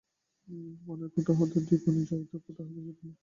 পানের কোটা হইতে দুটা পান, জর্দার কোটা হইতে খানিকটা জর্দা মুখে দিল।